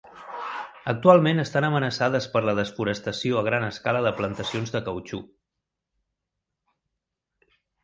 Actualment estan amenaçades per la desforestació a gran escala de plantacions de cautxú.